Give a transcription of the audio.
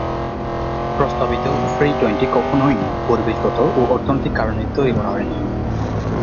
প্রস্তাবিত ফ্রি-ওয়েটি কখনই পরিবেশগত ও অর্থনৈতিক কারণে তৈরি করা হয়নি।